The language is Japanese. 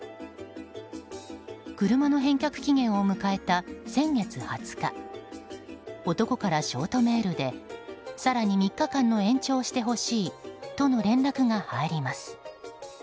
車の返却期限を迎えた先月２０日男からショートメールで更に３日間の延長をしてほしいと連絡が入ります。